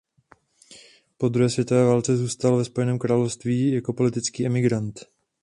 Po druhé světové válce zůstal ve Spojeném království jako politický emigrant.